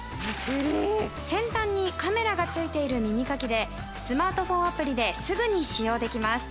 先端にカメラが付いている耳かきでスマートフォンアプリですぐに使用できます。